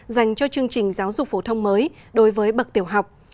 dành cho chương trình giáo dục phổ thông mới đối với bậc tiểu học